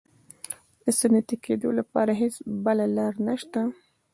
د صنعتي کېدو لپاره هېڅ بله لار نشته.